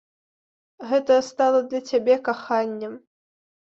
Гэта стала для цябе каханнем.